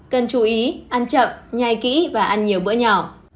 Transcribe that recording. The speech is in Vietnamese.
cần chú ý ăn chậm nhai kỹ và ăn nhiều bữa nhỏ